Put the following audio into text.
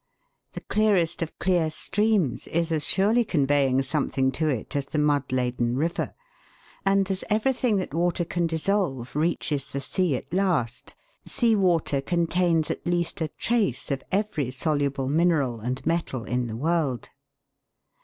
The clearest of clear streams is as surely conveying some thing to it as the mud laden river ; and as everything that water can dissolve reaches the sea at last, sea water contains at least a trace of every soluble mineral and metal in the world.